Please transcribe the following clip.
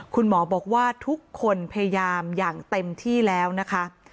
คุณหมอบอกว่าทุกคนพยายามอย่างเต็มที่แล้วนะคะ